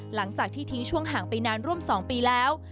หลังจากที่ทิ้งช่วงห่างไปนานร่วม๒ปีแล้ว